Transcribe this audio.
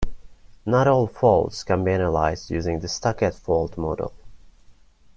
Not all faults can be analyzed using the stuck-at fault model.